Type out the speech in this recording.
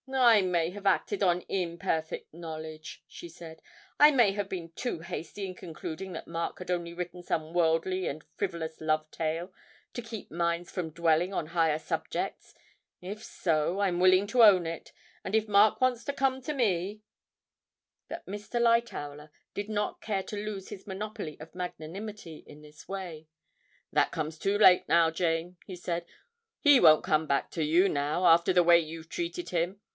'I may have acted on imperfect knowledge,' she said; 'I may have been too hasty in concluding that Mark had only written some worldly and frivolous love tale to keep minds from dwelling on higher subjects. If so, I'm willing to own it, and if Mark was to come to me ' But Mr. Lightowler did not care to lose his monopoly of magnanimity in this way. 'That comes too late now, Jane,' he said; 'he won't come back to you now, after the way you've treated him.